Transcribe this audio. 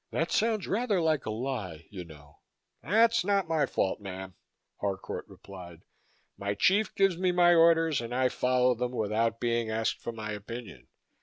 "That sounds rather like a lie, you know." "That's not my fault, mam," Harcourt replied. "My chief gives me my orders and I follow them without being asked for my opinion.